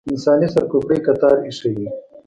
انساني سر کوپړۍ کتار ایښې وې.